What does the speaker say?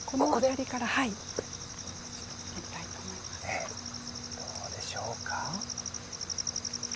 さあ、どうでしょうか？